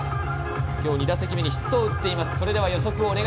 今日２打席目にヒットを打っています。